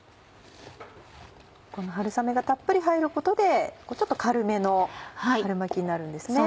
この春雨がたっぷり入ることでちょっと軽めの春巻きになるんですね。